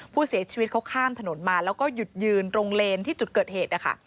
ผู้เสียชีวิตเขาข้ามถนนมาแล้วก็หยุดยืนตรงเลนที่จุดเกิดเหตุนะคะ